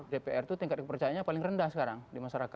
dpr itu tingkat kepercayaannya paling rendah sekarang di masyarakat